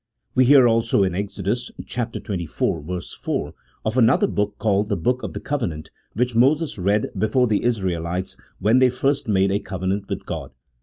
"We hear also in Exod. xxiv. 4 of another book called the Book of the Covenant, which Moses read before the Israelites when they first made a covenant with God.